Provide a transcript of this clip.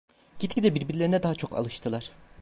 Gitgide birbirlerine daha çok alıştılar.